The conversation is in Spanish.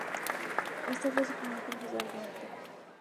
Este fue su primer profesor de arte.